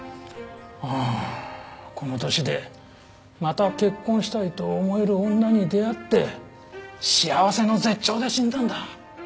ああこの年でまた結婚したいと思える女に出会って幸せの絶頂で死んだんだ。